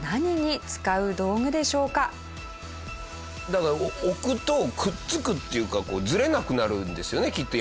だから置くとくっつくっていうかこうずれなくなるんですよねきっと。